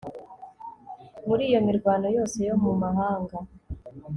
muri iyo mirwano yose yo mu mahanga